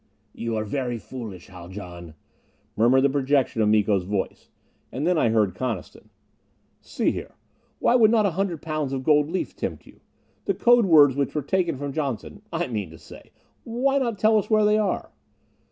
"You are very foolish, Haljan," murmured the projection of Miko's voice. And then I heard Coniston: "See here, why would not a hundred pounds of gold leaf tempt you? The code words which were taken from Johnson I mean to say, why not tell us where they are?"